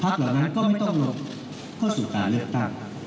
เหล่านั้นก็ไม่ต้องเข้าสู่การเลือกตั้ง